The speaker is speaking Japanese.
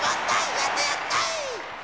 やったやった！